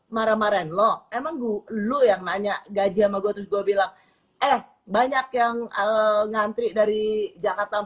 marah marah lo emang gue yang nanya gaji magotus gua bilang eh banyak yang ngantri dari jakarta